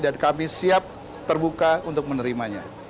dan kami siap terbuka untuk menerimanya